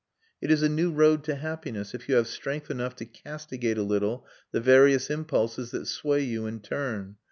It is a new road to happiness, if you have strength enough to castigate a little the various impulses that sway you in turn.